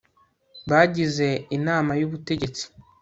bagize inama y ubutegetsi